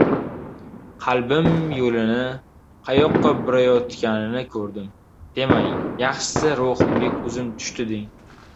“Qalbim yo‘lini, qayoqqa borayotganini ko‘rdim”, demang. Yaxshisi: “Ruhimga ko‘zim tushdi”, deng.